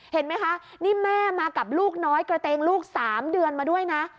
เห็นไหมคะนี่แม่มากับลูกน้อยกระเตงลูก๓เดือนมาด้วยนะ